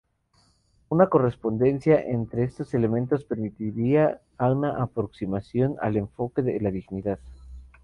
Una correspondencia entre estos elementos permitiría una aproximación al enfoque de la dignidad.